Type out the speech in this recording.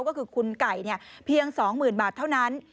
ก็คือคุณไก่เพียง๒๐๐๐บาทเท่านั้น